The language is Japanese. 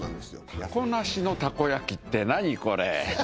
タコなしのたこ焼きって何これ。